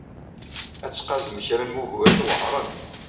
Ad tqazem kra n wuguren uɛren.